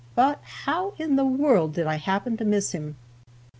But, how in the world did I happen to miss him?